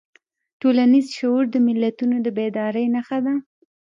ټولنیز شعور د ملتونو د بیدارۍ نښه ده.